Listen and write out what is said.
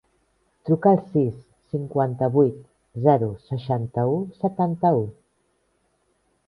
Truca al sis, cinquanta-vuit, zero, seixanta-u, setanta-u.